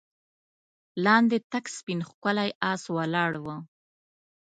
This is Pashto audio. لاندې تک سپين ښکلی آس ولاړ و.